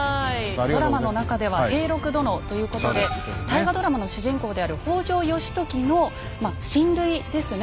ドラマの中では平六殿ということで大河ドラマの主人公である北条義時の親類ですね。